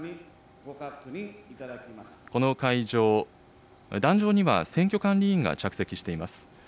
この会場、壇上には選挙管理委員が着席しています。